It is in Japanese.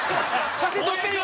「写真撮ってよ！